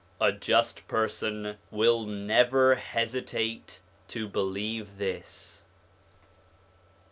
A just person will never hesitate to believe this.